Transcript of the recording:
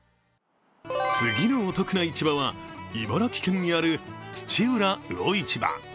次のお得な市場は茨城県にある土浦魚市場。